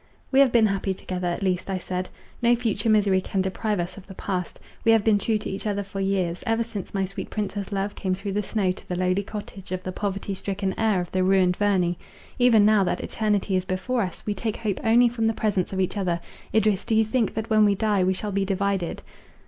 "We have been happy together, at least," I said; "no future misery can deprive us of the past. We have been true to each other for years, ever since my sweet princess love came through the snow to the lowly cottage of the poverty striken heir of the ruined Verney. Even now, that eternity is before us, we take hope only from the presence of each other. Idris, do you think, that when we die, we shall be divided?"